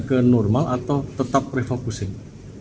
ke normal atau tetap refocusing